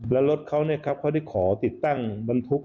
แล้วรถเขาเขาได้ขอติดตั้งบรรทุก